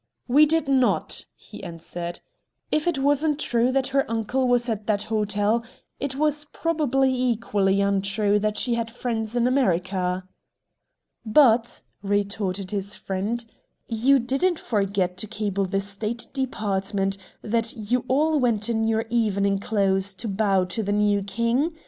"We did not!" he answered. "If it wasn't true that her uncle was at that hotel, it was probably equally untrue that she had friends in America." "But," retorted his friend, "you didn't forget to cable the State Department that you all went in your evening clothes to bow to the new King?